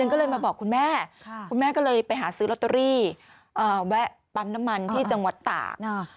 ก็เลยมาบอกคุณแม่คุณแม่ก็เลยไปหาซื้อลอตเตอรี่แวะปั๊มน้ำมันที่จังหวัดตาก